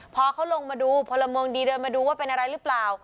พอเขาลงมาดูพลเมืองดีเดินมาดูว่าเป็นอะไรหรือเปล่า